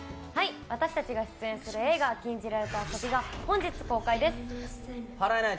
私たちが出演する映画「禁じられた遊び」がはらえない・